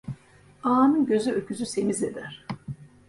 Ağanın gözü öküzü semiz eder.